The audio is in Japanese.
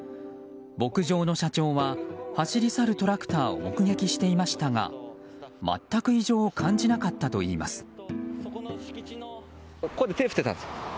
牧場の社長は走り去るトラクターを目撃していましたが全く異常を感じなかったといいます。